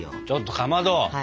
ちょっとかまど！